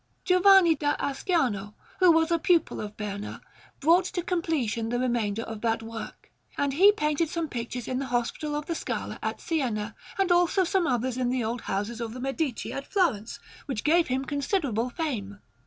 Giovanni da Asciano, who was a pupil of Berna, brought to completion the remainder of that work; and he painted some pictures in the Hospital of the Scala at Siena, and also some others in the old houses of the Medici at Florence, which gave him considerable fame.